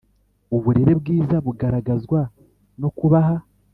Uburere bwiza bugaragazwa no kubaha.